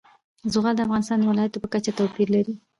زغال د افغانستان د ولایاتو په کچه توپیر لري.